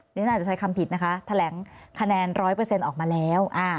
ฉันอาจจะใช้คำผิดนะคะแถลงคะแนน๑๐๐ออกมาแล้ว